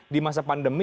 di masa pandemi